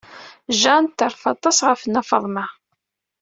Jane terfa aṭas ɣef Nna Faḍma.